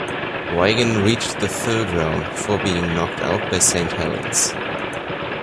Wigan reached the third round before being knocked out by Saint Helens.